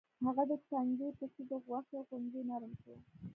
هغه د تنکي پسه د غوښې غوندې نرم شو.